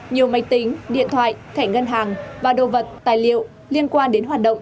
nhiều máy tính điện thoại thẻ ngân hàng và đồ vật tài liệu liên quan đến hoạt động